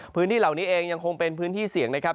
พื้นที่เหล่านี้เองยังคงเป็นพื้นที่เสี่ยงนะครับ